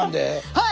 はい！